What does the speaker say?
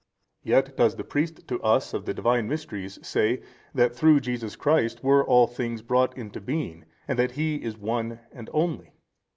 A. Yet does the priest to us of the Divine Mysteries say that through Jesus Christ were all things brought to being, and that He is One and Only.